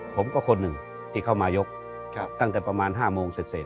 คนหนึ่งที่เข้ามายกตั้งแต่ประมาณ๕โมงเสร็จ